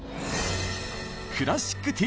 「クラシックＴＶ」